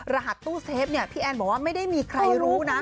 รหัสตู้เซฟเนี่ยพี่แอนบอกว่าไม่ได้มีใครรู้นะ